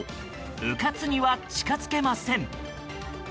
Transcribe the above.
うかつには近づけません。